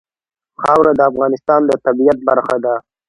خاوره د افغانستان د طبیعت برخه ده.